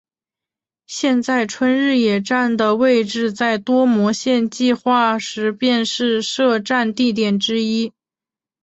现在春日野站的位置在多摩线计画时便是设站地点之一。